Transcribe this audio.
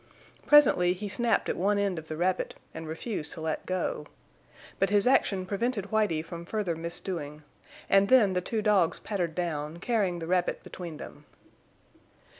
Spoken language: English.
Presently he snapped at one end of the rabbit and refused to let go. But his action prevented Whitie from further misdoing, and then the two dogs pattered down, carrying the rabbit between them.